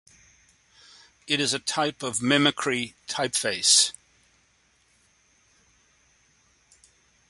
It is a type of mimicry typeface.